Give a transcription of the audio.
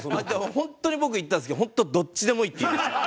本当に僕言ったんですけど「本当どっちでもいい」って言いました。